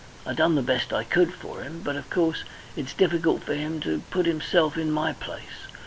I done the best I could for him, but, of course, it's difficult for him to put himself in my place.